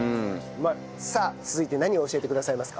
さあ続いて何を教えてくださいますか？